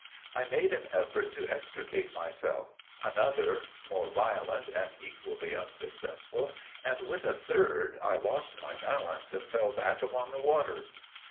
I made an effort to extricate myself; another, more violent, and equally unsuccessful, and, with a third, I lost my balance, and fell back upon the water.